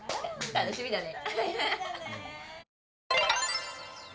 楽しみだね。